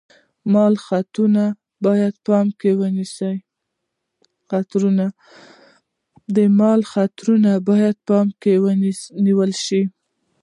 مال خطرونه باید په پام کې ونیول شي.